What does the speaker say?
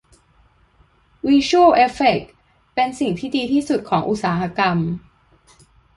วิชวล เอฟเฟคเป็นสิ่งที่ดีที่สุดของอุตสาหกรรม